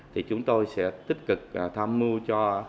thì chúng tôi sẽ tích cực tham mưu cho